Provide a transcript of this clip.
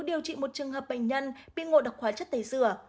điều trị một trường hợp bệnh nhân bị ngộ độc hóa chất tầy dừa